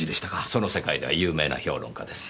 その世界では有名な評論家です。